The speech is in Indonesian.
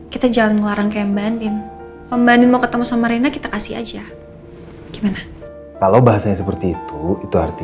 kita jangan ngelarang kayak mbak andin aja nih kalau misalkan rena udah sama kita